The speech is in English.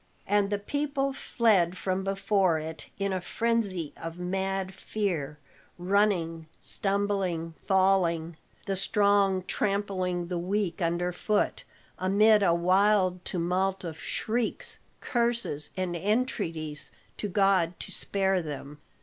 And the people fled from before it in a frenzy of mad fear, running, stumbling, falling, the strong trampling the weak under foot, amid a wild tumult of shrieks, curses and entreaties to God to spare them.